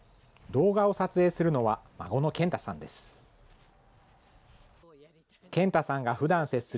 動画を撮影するのは孫の賢太さんです。